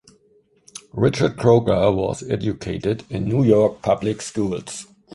Richard Croker was educated in New York public schools.